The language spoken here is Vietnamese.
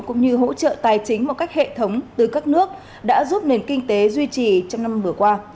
cũng như hỗ trợ tài chính một cách hệ thống từ các nước đã giúp nền kinh tế duy trì trong năm vừa qua